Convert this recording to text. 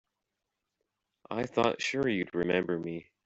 I thought sure you'd remember me.